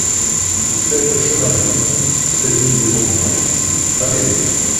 sept chemin des Dîmes, seize mille deux cent soixante-dix La Péruse